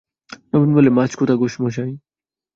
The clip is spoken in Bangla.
নবীন বলে, মাছ কোথা ঘোষ মশাই?